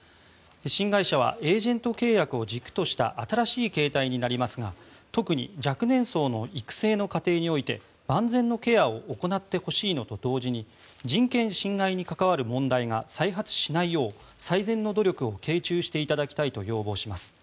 新会社はエージェント契約を軸とした新しい形態になりますが特に若年層の育成の過程において万全のケアを行ってほしいのと同時に人権侵害に関わる問題が再発しないよう最善の努力を傾注していただきたいと要望します。